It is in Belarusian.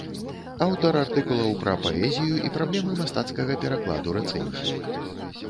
Аўтар артыкулаў пра паэзію і праблемы мастацкага перакладу, рэцэнзій.